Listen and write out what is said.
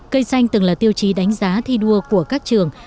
cây xanh từng là tiêu chí đánh giá thi đua của các trường